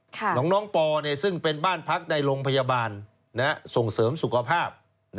ของน้องปอซึ่งเป็นบ้านพักในโรงพยาบาลส่งเสริมสุขภาพ